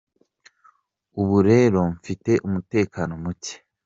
ubu rero mfite umutekano muke.